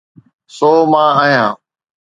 سو مان آهيان.